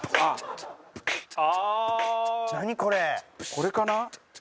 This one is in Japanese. これかな？